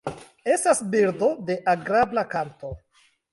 Estas birdo de agrabla kanto.